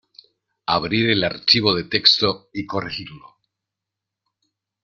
Abrir el archivo de texto y corregirlo.